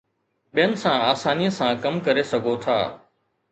ٻين سان آساني سان ڪم ڪري سگهو ٿا